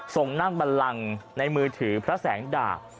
ส่งนั่งบันลังในมือถือพระแสงดาบ